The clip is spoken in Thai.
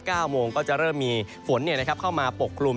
เมื่อพัก๙โมงก็จะเริ่มมีฝนเข้ามาปลกลุ่ม